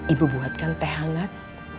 ibu buatkan teh hangat